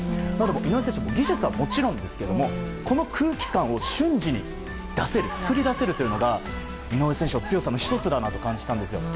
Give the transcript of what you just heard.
井上選手、技術はもちろんですがこの空気感を瞬時に作り出せるというのが井上選手の強さの１つだなと感じたんですよ。